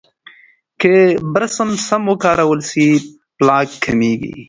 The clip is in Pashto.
که برس سم وکارول شي، پلاک کمېږي.